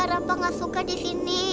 kenapa gak suka di sini